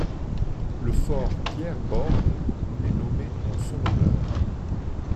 Le fort Pierre Bordes est nommé en son honneur.